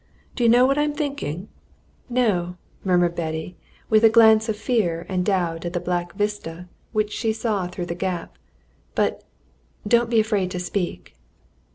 Do you know what I'm thinking?" "No!" murmured Betty, with a glance of fear and doubt at the black vista which she saw through the gap. "But don't be afraid to speak."